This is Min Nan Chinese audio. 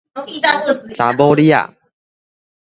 查某李仔